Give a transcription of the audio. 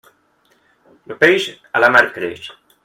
El peix, en la mar creix.